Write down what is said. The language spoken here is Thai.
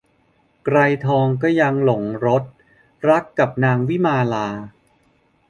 ไกรทองก็ยังหลงรสรักกับนางวิมาลา